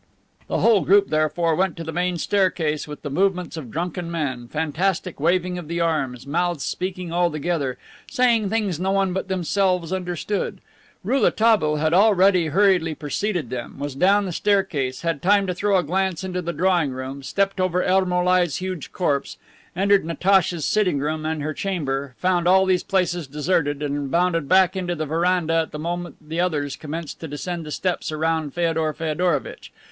The whole group, therefore, went to the main staircase, with the movements of drunken men, fantastic waving of the arms, mouths speaking all together, saying things no one but themselves understood. Rouletabille had already hurriedly preceded them, was down the staircase, had time to throw a glance into the drawing room, stepped over Ermolai's huge corpse, entered Natacha's sitting room and her chamber, found all these places deserted and bounded back into the veranda at the moment the others commenced to descend the steps around Feodor Feodorovitch.